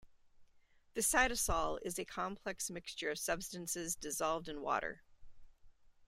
The cytosol is a complex mixture of substances dissolved in water.